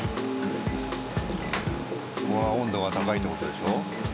ここは温度が高いって事でしょ？ですね。